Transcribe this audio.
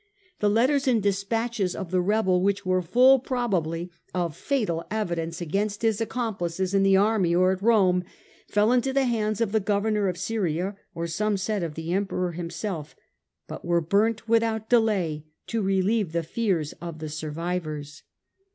The letters and despatches of the rebel, which w^ere full, probably, of fatal evidence against his accomplices in the army or at Rome, fell into the hands of the governor of Syria, or some said of the Emperor himself, but were burnt without delay to relieve the fears of the survivors.